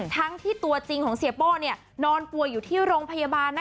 ทั้งที่ตัวจริงของเสียโป้นอนป่วยอยู่ที่โรงพยาบาล